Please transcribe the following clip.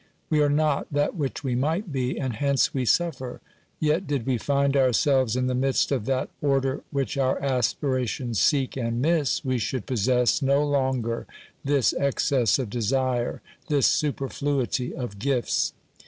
We are not that which we might be, and hence we suffer; yet did we find ourselves in the midst of that order which our aspirations seek and miss, we should possess no longer this excess of desire, this superfluity of gifts.